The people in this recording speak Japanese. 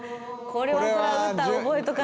これは歌覚えとかな。